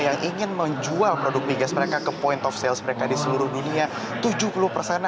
yang ingin menjual produk migas mereka ke point of sales mereka di seluruh dunia